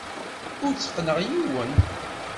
Ur tteqqneɣ yiwen.